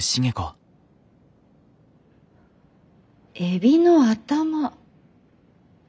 エビの頭？